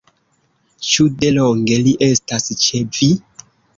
Ĉu de longe li estas ĉe vi?